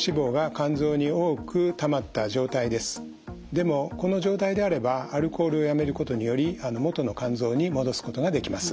でもこの状態であればアルコールをやめることにより元の肝臓に戻すことができます。